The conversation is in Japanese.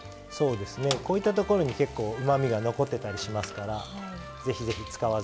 こういったところに結構うまみが残ってたりしますからぜひぜひ。